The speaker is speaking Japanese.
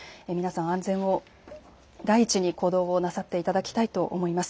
皆さん、安全を第一に行動をなさっていただきたいと思います。